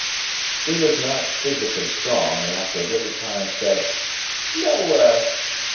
She was not physically strong, and after a little time said, "Slower!"